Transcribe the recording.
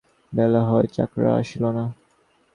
বেলা হয়, চাকররা আসিল না।